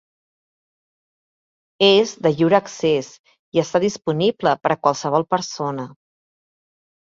És de lliure accés i està disponible per a qualsevol persona.